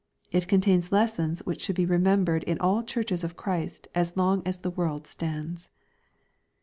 It contains lessons which should be remembered in all churches of Christ as long as the world stands.